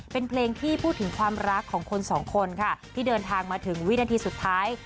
เป็นเพลงที่พูดถึงความรักของคนสองคนค่ะที่เดินทางมาถึงวินาทีสุดท้าย